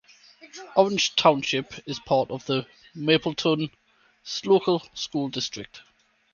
Orange Township is part of the Mapleton Local School District.